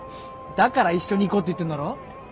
だから一緒に行こうって言ってんだろ？